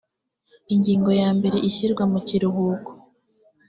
ingingo ya mbere ishyirwa mu kiruhuko